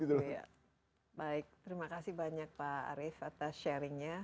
baik terima kasih banyak pak arief atas sharingnya